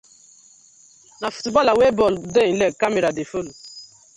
Na footballer wey ball dey im leg camera dey follow.